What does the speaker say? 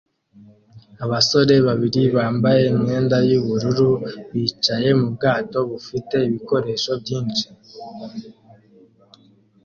Abasore babiri bambaye imyenda yubururu bicaye mubwato bufite ibikoresho byinshi